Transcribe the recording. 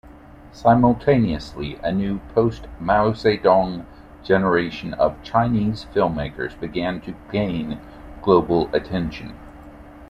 Simultaneously, a new post-Mao Zedong generation of Chinese filmmakers began to gain global attention.